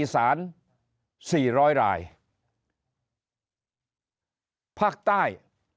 อีสาน๔๐๐รายภาคใต้